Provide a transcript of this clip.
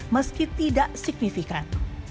meski tidak signifikan